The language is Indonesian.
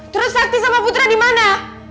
terus sakti sama putra dimana